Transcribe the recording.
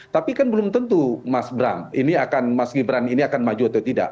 tapi kan belum tentu mas bram ini akan mas gibran ini akan maju atau tidak